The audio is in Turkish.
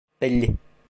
Belli.